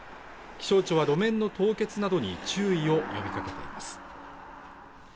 気象庁は路面の凍結などに注意を呼びかけています